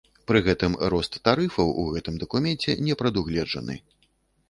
Пры гэтым рост тарыфаў у гэтым дакуменце не прадугледжаны.